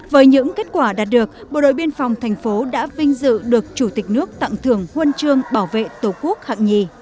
với những kết quả đạt được bộ đội biên phòng thành phố đã vinh dự được chủ tịch nước tặng thưởng huân chương bảo vệ tổ quốc hạng nhì